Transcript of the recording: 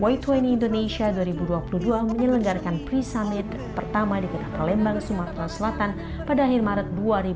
y dua puluh indonesia dua ribu dua puluh dua menyelenggarakan pre summit pertama di kota palembang sumatera selatan pada akhir maret dua ribu dua puluh